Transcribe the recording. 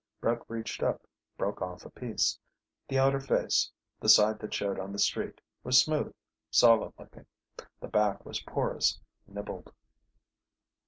Brett reached up, broke off a piece. The outer face the side that showed on the street was smooth, solid looking. The back was porous, nibbled.